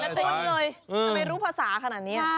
ทำไมรู้ภาษาขนาดนี้